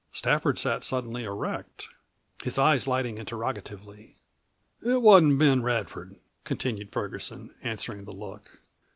Stafford sat suddenly erect, his eyes lighting interrogatively. "It wasn't Ben Radford," continued Ferguson, answering the look.